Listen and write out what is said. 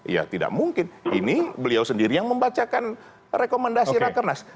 ya tidak mungkin ini beliau sendiri yang membacakan rekomendasi rakernas